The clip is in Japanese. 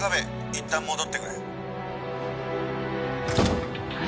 いったん戻ってくれ」何！？